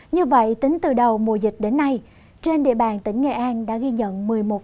như vậy tính từ đầu mùa dịch đến nay trên địa bàn tỉnh nghệ an đã ghi nhận